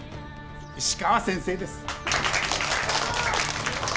石川先生です。